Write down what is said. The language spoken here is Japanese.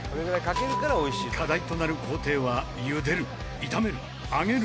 課題となる工程は茹でる炒める揚げる。